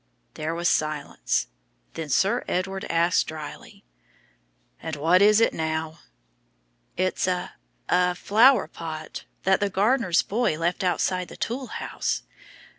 There was silence. Then Sir Edward asked drily, "And what is it now?" "It's a a flower pot, that the gardener's boy left outside the tool house.